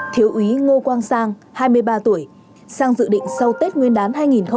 thiếu úy ngô quang sang hai mươi ba tuổi sang dự định sau tết nguyên đán hai nghìn hai mươi